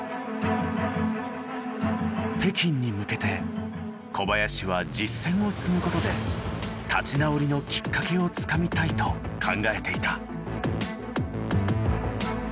北京に向けて小林は実戦を積むことで立ち直りのきっかけをつかみたいと考えていた。